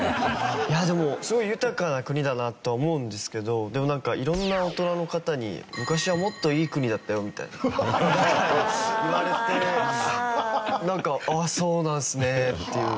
いやでもすごい豊かな国だなとは思うんですけどでもなんか色んな大人の方に「昔はもっといい国だったよ」みたいな事を言われてなんか「ああそうなんですね」っていう。